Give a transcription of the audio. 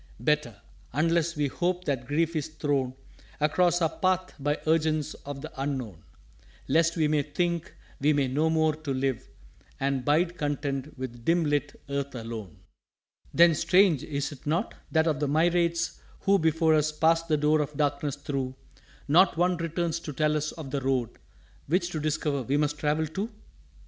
_" "Better unless we hope that grief is thrown Across our Path by urgence of the Unknown, Lest we may think we have no more to live And bide content with dim lit Earth alone." "_Then, strange, is't not? that of the myriads who Before us passed the door of Darkness through Not one returns to tell us of the Road, Which to discover we must travel too?